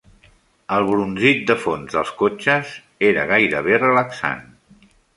El brunzit de fons dels cotxes era gairebé relaxant.